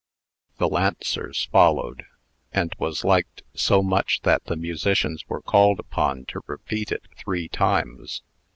The Lancers followed, and was liked so much that the musicians were called upon to repeat it three times.